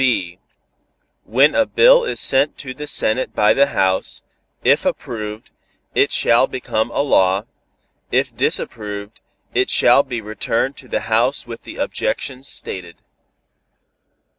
(b) When a bill is sent to the Senate by the House, if approved, it shall become a law, if disapproved, it shall be returned to the House with the objections stated.